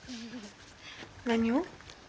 何を？